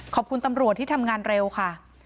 ขอบคุณตำรวจที่ทำงานเร็วค่ะ